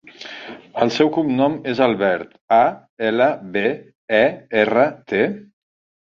El seu cognom és Albert: a, ela, be, e, erra, te.